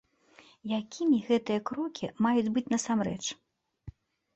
Якімі гэтыя крокі маюць быць насамрэч?